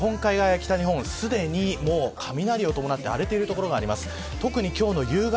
今日は日本海側や北日本はすでに雷を伴って荒れている所があります。